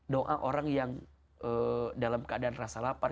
doa orang yang dalam keadaan rasa lapar